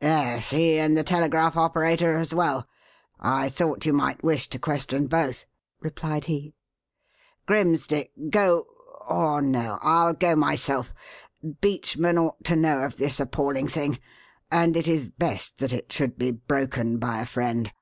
"Yes, he and the telegraph operator as well; I thought you might wish to question both," replied he. "Grimsdick, go or, no! I'll go myself. Beachman ought to know of this appalling thing; and it is best that it should be broken by a friend."